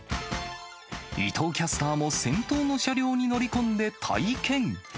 伊藤キャスターも先頭の車両に乗り込んで体験。